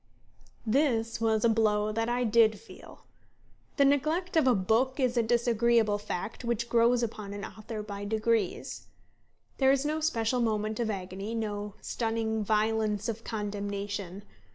This was a blow that I did feel. The neglect of a book is a disagreeable fact which grows upon an author by degrees. There is no special moment of agony, no stunning violence of condemnation.